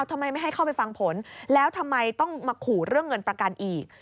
ทำไมไม่ให้เข้าไปฟังผลแล้วทำไมต้องมาขู่เรื่องเงินประกันอีก